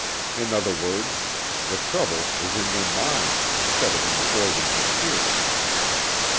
In other words the trouble is in their mind instead of in the organs of hearing.